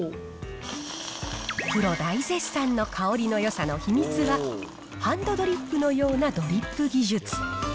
プロ大絶賛の香りのよさの秘密は、ハンドドリップのようなドリップ技術。